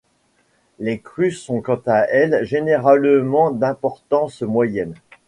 Les crues sont quant à elles généralement d'importance moyenne.